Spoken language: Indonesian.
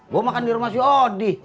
gue makan di rumah si odi